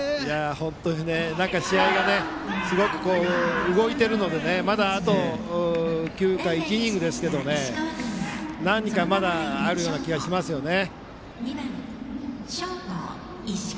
本当に試合がすごく動いているのであと９回、１イニングですけど何かまだあるような気がしますね。